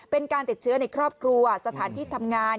เป็นการติดเชื้อในครอบครัวสถานที่ทำงาน